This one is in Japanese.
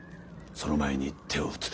その前に手を打つ。